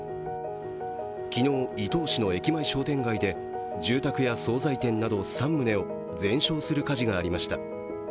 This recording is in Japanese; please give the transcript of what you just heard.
昨日、伊東市の駅前商店街で住宅や惣菜店など３棟を全焼する火事がありました。